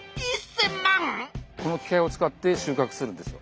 この機械を使ってしゅうかくするんですよ。